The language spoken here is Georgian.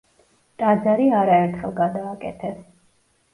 ტაძარი არაერთხელ გადააკეთეს.